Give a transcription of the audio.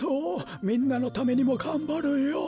みんなのためにもがんばるよ。